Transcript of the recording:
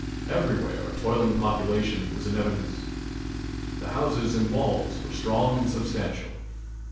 Everywhere a toiling population was in evidence. The houses and walls were strong and substantial.